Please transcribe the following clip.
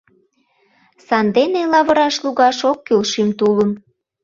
Сандене лавыраш лугаш ок кӱл шӱм тулым